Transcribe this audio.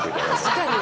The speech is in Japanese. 確かに。